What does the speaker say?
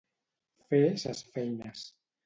Fer ses feines.